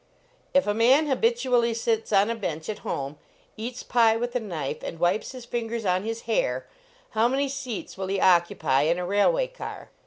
If a man habitually sits on a bench at home, eats pie with a knife, and wipes his fingers on his hair, how main seats will he occupy in a railway car